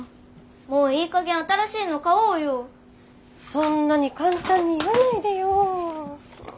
そんなに簡単に言わないでよ。